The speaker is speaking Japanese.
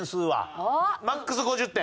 マックス５０点？